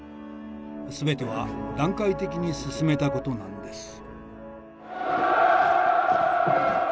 全ては段階的に進めたことなのです。